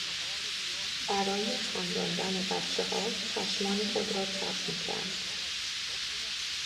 برای خنداندن بچهها چشمان خود را چپ میکرد.